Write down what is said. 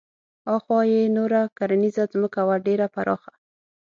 اخواته یې نوره کرنیزه ځمکه وه ډېره پراخه.